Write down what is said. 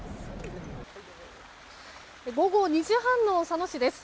午後２時半の佐野市です。